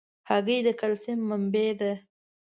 هګۍ د کلسیم منبع ده.